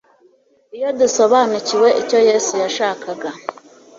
iyo dusobanukiwe icyo yesu yashakaga